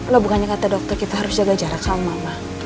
loh bukannya kata dokter kita harus jaga jarak sama mbak